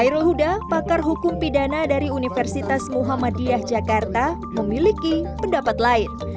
hairul huda pakar hukum pidana dari universitas muhammadiyah jakarta memiliki pendapat lain